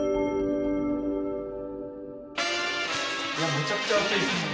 めちゃくちゃ暑いですね。